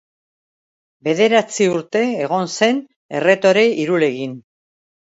Bederatzi urte egon zen erretore Irulegin.